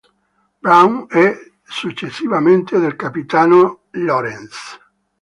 Brown e successivamente dal capitano H. Lawrence.